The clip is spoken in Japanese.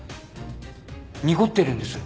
濁ってるんです。